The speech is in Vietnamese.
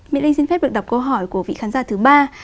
mỹ linh xin phép được đọc câu hỏi của vị khán giả thứ ba